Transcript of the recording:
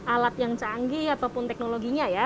alat yang canggih ataupun teknologinya ya